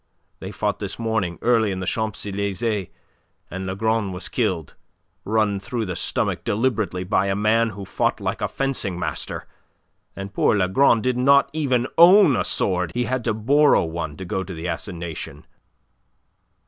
They fought this morning early in the Champs Elysees, and Lagron was killed, run through the stomach deliberately by a man who fought like a fencing master, and poor Lagron did not even own a sword. He had to borrow one to go to the assignation."